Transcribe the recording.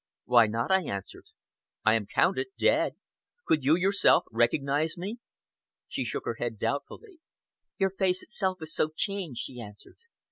"Why not?" I answered. "I am counted dead. Could you yourself recognize me?" She shook her head doubtfully. "Your face itself is so changed," she answered.